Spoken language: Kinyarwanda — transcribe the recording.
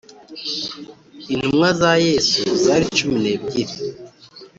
intumwa za yesu zari cumi nebyiri